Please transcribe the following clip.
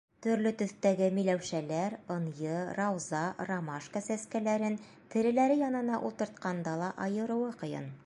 Төрлө төҫтәге миләүшәләр, ынйы, рауза, ромашка сәскәләрен тереләре янына ултыртҡанда ла айырыуы ҡыйын.